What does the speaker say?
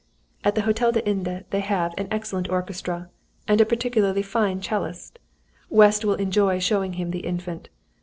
At the Hôtel des Indes they have an excellent orchestra, and a particularly fine 'cellist. West will enjoy showing him the Infant.